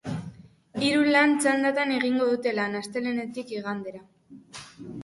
Hiru lan txandatan egingo dute lan, astelehenetik igandera.